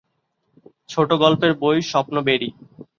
ছোটগল্পের বই ‘স্বপ্নবেড়ি’।